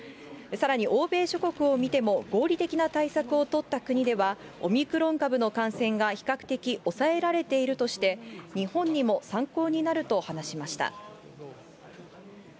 さらに欧米諸国を見ても合理的な対策を取った国ではオミクロン株の感染が比較的抑えられているとして、日本にも参考になると話しました。